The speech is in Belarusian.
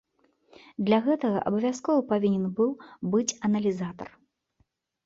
Для гэтага абавязкова павінен быў быць аналізатар.